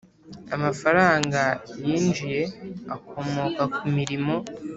amafaranga yinjiye akomoka ku mirimo